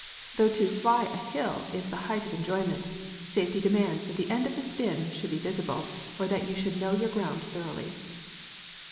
Though to "fly" a hill is the height of enjoyment, safety demands that the end of the spin should be visible, or that you should know your ground thoroughly.